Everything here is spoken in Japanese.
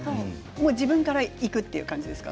自分からいくという感じですか？